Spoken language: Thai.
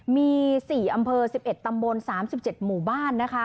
มี๔อำเภอ๑๑ตำบล๓๗หมู่บ้านนะคะ